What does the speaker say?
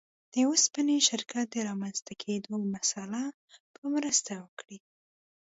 د اوسپنې شرکت د رامنځته کېدو مسأله به مرسته وکړي.